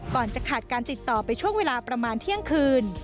ก่อนจะขาดการติดต่อไปช่วงเวลาประมาณเที่ยงคืน